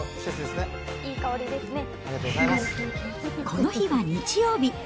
この日は日曜日。